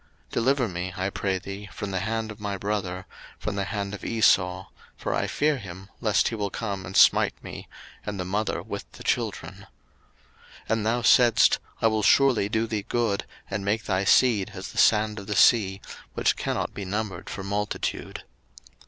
01:032:011 Deliver me, I pray thee, from the hand of my brother, from the hand of Esau: for I fear him, lest he will come and smite me, and the mother with the children. 01:032:012 And thou saidst, I will surely do thee good, and make thy seed as the sand of the sea, which cannot be numbered for multitude.